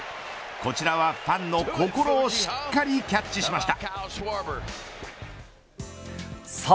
こちらはファンの心をしっかりキャッチしました。